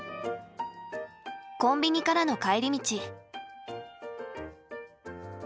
コンビニからの帰り道。